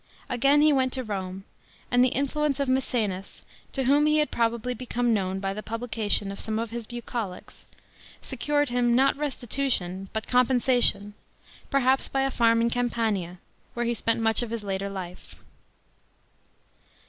A^ain he went to R"ine, and the influence of Maecenas, to whom he had probably become known by the publication of some of his Bucolics, secured him, not restitution but compensation, perhaps by a farm in Campania, where he spent much of his later life.